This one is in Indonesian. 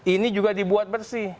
ini juga dibuat bersih